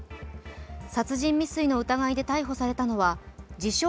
殺人未遂の疑いで逮捕されたのは自称